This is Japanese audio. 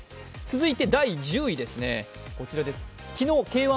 続いて第１０位です。